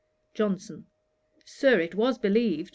JOHNSON. 'Sir, it was believed.